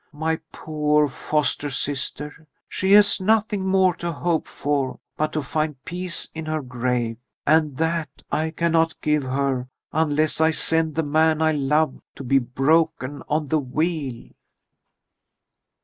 My poor foster sister, she has nothing more to hope for but to find peace in her grave, and that I cannot give her unless I send the man I love to be broken on the wheel."